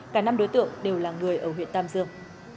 cả năm đối tượng đều là người ở huyện tam dương